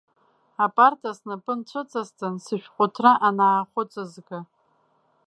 Апарта снапы нхәыҵасҵан, сышәҟәыҭра анаахәыҵызга.